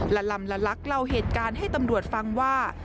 ลำละลักเล่าเหตุการณ์ให้ตำรวจฟังว่า